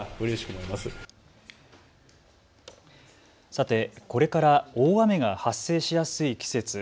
さて、これから大雨が発生しやすい季節。